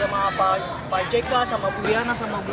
sama pak jk sama bu iryana sama bu